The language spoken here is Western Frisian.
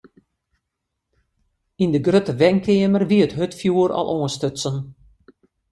Yn de grutte wenkeamer wie it hurdfjoer al oanstutsen.